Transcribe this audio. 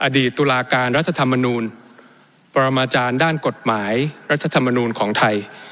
ตุลาการรัฐธรรมนูลปรมาจารย์ด้านกฎหมายรัฐธรรมนูลของไทย